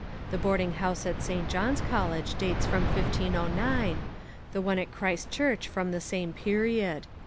The boarding house at St. John's College dates from 1509, the one at Christ Church from the same period.